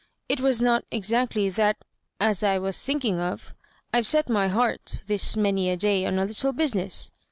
It was not exactly that as I was thinking of; Pve set my hoart, this many a day, on a little business.